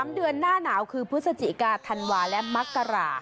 ๓เดือนหน้าหนาวคือพฤศจิกาธันวาและมักกรา